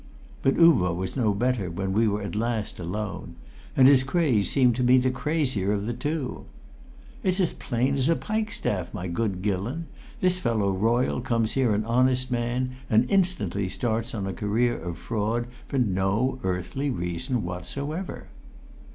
But Uvo was no better when we were at last alone. And his craze seemed to me the crazier of the two. "It's as plain as a pikestaff, my good Gillon! This fellow Royle comes here an honest man, and instantly starts on a career of fraud for no earthly reason whatsoever!"